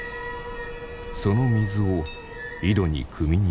その水を井戸に汲みに行く。